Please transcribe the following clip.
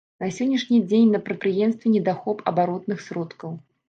На сённяшні дзень на прадпрыемстве недахоп абаротных сродкаў.